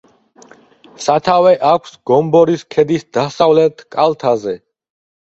სათავე აქვს გომბორის ქედის დასავლეთ კალთაზე.